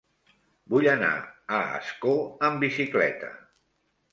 Vull anar a Ascó amb bicicleta.